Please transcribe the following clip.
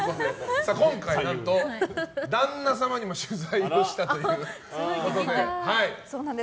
今回、何と旦那さんにも取材したということで。